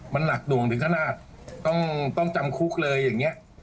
มันหนักหน่วงถึงขนาดต้องจำคุกเลยอย่างนี้